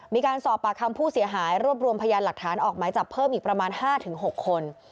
มีการสอบปากคำผู้เสียหายรวบรวมพยานหลักฐานออกหมายจับเพิ่มอีกประมาณ๕๖คน